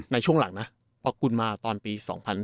ในช่วงหลังนะพอกุลมาตอนปี๒๐๑๘